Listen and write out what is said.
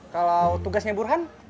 kalau tugasnya burhan